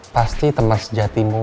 pasti teman sejatimu